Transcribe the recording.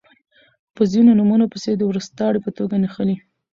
په ځینو نومونو پسې د وروستاړي په توګه نښلی